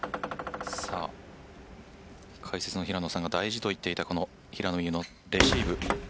解説の平野さんが大事と言っていた平野のレシーブ。